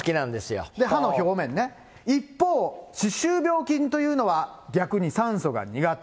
歯の表面ね、一方、歯周病菌というのは、逆に酸素が苦手。